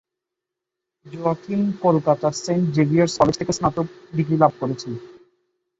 Joaquin কলকাতার Saint Xavier's College থেকে স্নাতক ডিগ্রি লাভ করেছেন।